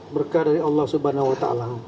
berkah dari allah swt